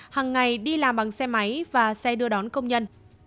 hàng ngày đi làm bằng xe máy và xe đưa đón công nhân